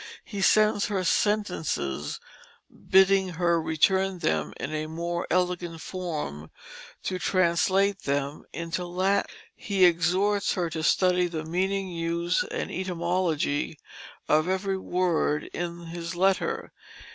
He sends her sentences bidding her return them in a more elegant form, to translate them into Latin. He exhorts her to study the meaning, use, and etymology of every word in his letter.